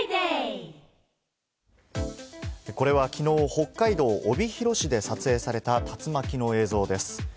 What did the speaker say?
北海道帯広市で撮影された竜巻の映像です。